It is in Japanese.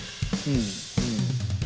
うん。